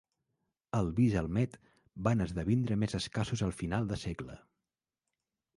Els bis al Met van esdevindre més escassos a finals de segle.